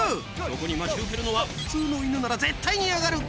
そこに待ち受けるのは普通の犬なら絶対に嫌がる。